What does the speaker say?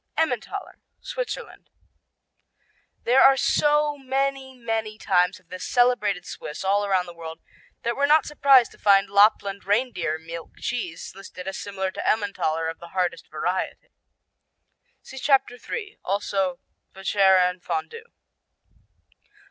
Emmentaler Switzerland There are so many, many types of this celebrated Swiss all around the world that we're not surprised to find Lapland reindeer milk cheese listed as similar to Emmentaler of the hardest variety. (See Chapter 3, also Vacherin Fondu.)